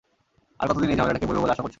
আর কতদিন এই ঝামেলাটাকে বইবো বলে আশা করছো?